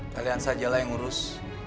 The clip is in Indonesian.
kalian sajalah yang urus